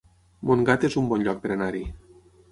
Montgat es un bon lloc per anar-hi